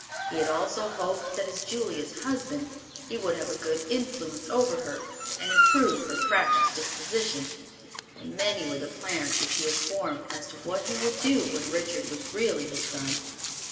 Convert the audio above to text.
He had also hoped that as Julia's husband he would have a good influence over her, and improve her fractious disposition; and many were the plans which he had formed as to what he would do when Richard was really his son.